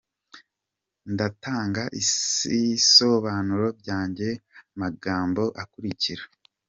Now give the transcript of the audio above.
Ndatanga isisobanuro byange mu magambo akurikira.